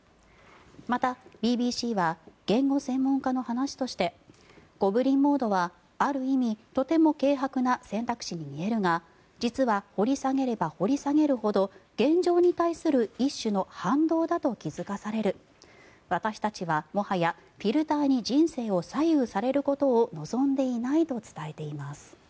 また、ＢＢＣは言語専門家の話としてゴブリン・モードは、ある意味とても軽薄な選択肢に見えるが実は掘り下げれば掘り下げるほど現状に対する一種の反動だと気付かされる私たちはもはやフィルターに人生を左右されることを望んでいないと伝えています。